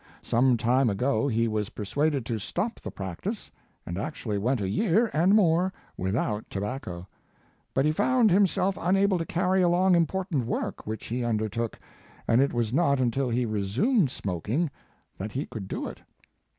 Some time ago he was persuaded to stop the prac tice, and actually went a year and more without tobacco; but he found himself unable to carry along important work which he undertook, and it was not until he resumed smoking that he could do it.